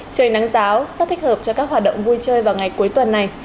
trời nắng ráo sắp thích hợp cho các hoạt động vui chơi vào ngày cuối tuần này